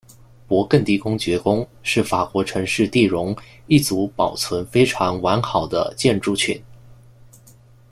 勃艮第公爵宫是法国城市第戎一组保存非常完好的建筑群。